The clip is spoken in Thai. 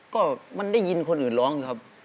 ก็มันได้ยินคนอื่นร้องครับ